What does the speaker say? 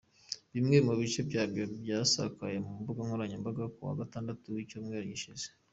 Bimwe mu bice byaryo byasakaye ku mbuga nkoranyambaga kuwa Gatatu w’icyumweru gishize.